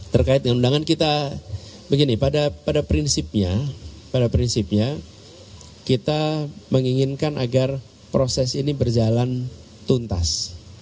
terkait dengan undangan kita begini pada prinsipnya pada prinsipnya kita menginginkan agar proses ini berjalan tuntas